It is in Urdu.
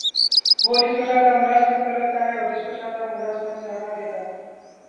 وہ جس کو چاہتا ملازمت پر رکھتا اور جس کو چاہتا ملازمت سے ہٹا دیتا